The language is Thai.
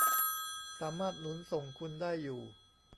สามารถหนุนส่งคุณได้อยู่